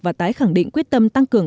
và tái khẳng định quyết tâm tăng cường